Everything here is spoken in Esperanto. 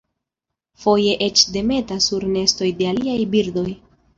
Foje eĉ demetas sur nestoj de aliaj birdoj.